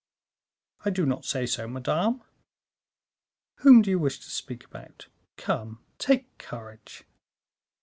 "I do not say no, madame." "Whom do you wish to speak about? Come, take courage."